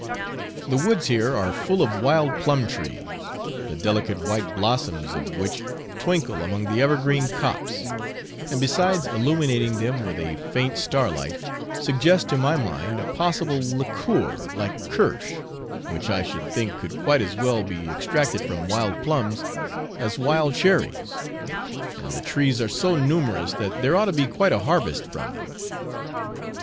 The woods here are full of wild plum trees, the delicate white blossoms of which twinkle among the evergreen copses, and besides illuminating them with a faint starlight, suggest to my mind a possible liqueur like kirsch, which I should think could quite as well be extracted from wild plums as wild cherries, and the trees are so numerous that there ought to be quite a harvest from them.